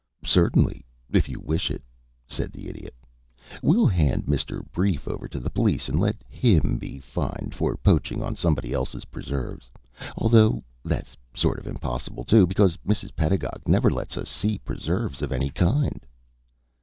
"Certainly, if you wish it," said the Idiot. "We'll hand Mr. Brief over to the police, and let him be fined for poaching on somebody else's preserves although that's sort of impossible, too, because Mrs. Pedagog never lets us see preserves of any kind."